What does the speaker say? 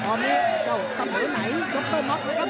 ตอนนี้ก็เสมอไหนยกเต้าม็อคไว้ครับ